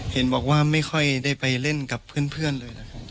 เห็นบอกว่าไม่ค่อยได้ไปเล่นกับเพื่อนเลยนะครับ